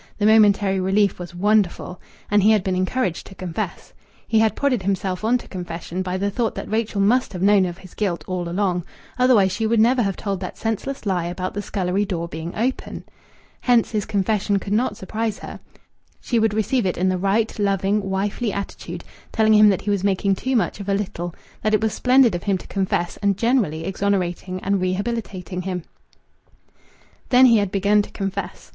The momentary relief was wonderful. And he had been encouraged to confess. He had prodded himself on to confession by the thought that Rachel must have known of his guilt all along otherwise she would never have told that senseless lie about the scullery door being open. Hence his confession could not surprise her. She would receive it in the right, loving, wifely attitude, telling him that he was making too much of a little, that it was splendid of him to confess, and generally exonerating and rehabilitating him. Then he had begun to confess.